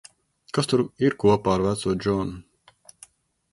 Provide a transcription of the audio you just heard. Kas tur ir kopā ar veco Džonu?